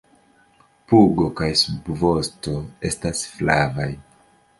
Pugo kaj subvosto estas flavaj.